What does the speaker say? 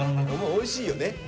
おいしいよね。